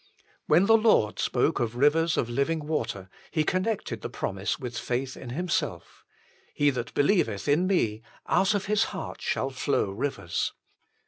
2 When the Lord spoke of " rivers of living water," He connected the promise with faith in Himself :" He that believeth in ME, out of his heart shall flow rivers."